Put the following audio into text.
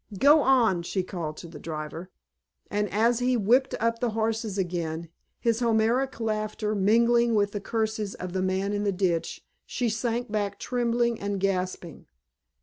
"Go on!" she called to the driver. And as he whipped up the horses again, his Homeric laughter mingling with the curses of the man in the ditch, she sank back trembling and gasping.